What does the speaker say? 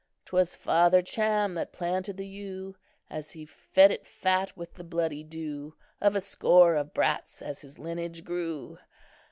"'Twas Father Cham that planted that yew, And he fed it fat with the bloody dew Of a score of brats, as his lineage grew.